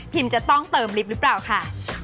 พิมพ์จะต้องเติมลิปหรือเปล่าค่ะ